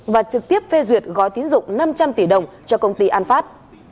và trực tiếp phê duyệt gói tín dụng năm trăm linh tỷ đồng cho công ty an phát